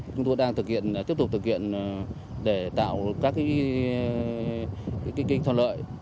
chúng tôi đang tiếp tục thực hiện để tạo các kinh thần lợi